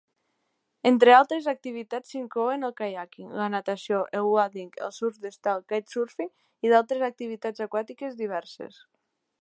Entre altres activitats s'inclouen el kayaking, la natació, el wading, el surf d'estel ("kitesurfing") i d'altres activitats aquàtiques diverses.